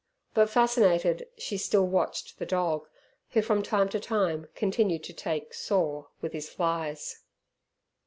But, fascinated, she still watched the dog, who from time to time continued to take "saw" with his flies.